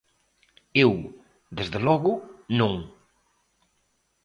Eu, desde logo, non.